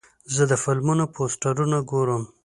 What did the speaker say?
زه د فلمونو پوسټرونه ګورم.